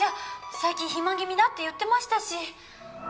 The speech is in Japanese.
最近肥満気味だって言ってましたし。